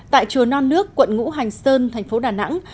tại chùa non nước quận ngũ hành sơn thành phố đà nẵng